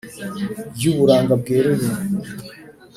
Y'uburanga bweruye